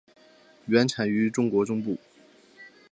原产于中国中部。